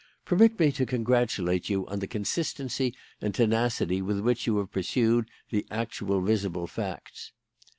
Permit me to congratulate you on the consistency and tenacity with which you have pursued the actual, visible facts."